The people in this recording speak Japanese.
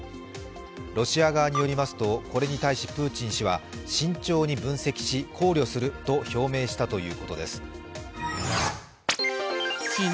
ロシア側によりますとこれに対しプーチン氏は慎重に分析し考慮すると表明したということです。